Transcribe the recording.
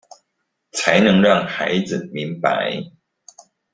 才能讓孩子明白